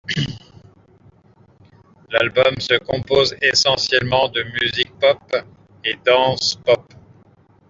L'album se compose essentiellement de musique pop et dance-pop.